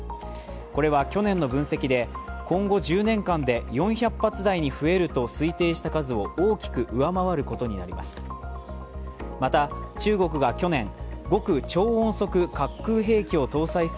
これは去年の分析で今後１０年間で４００発台に増えると推定した数を大きく上回ることになります。